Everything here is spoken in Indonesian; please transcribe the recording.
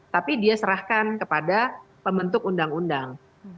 tapi dia serahkan kepada pembentuk undang undang